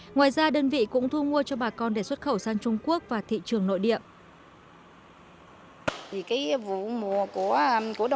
ngoài ra đơn vị cũng thu mua cho bà con để xuất khẩu sang trung quốc và thị trường nội địa